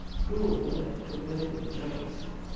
Cruel word, the work of the judges!